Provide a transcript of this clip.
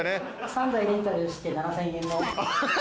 ３台レンタルして７，０００円の。